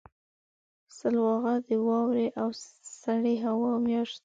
سلواغه د واورې او سړې هوا میاشت ده.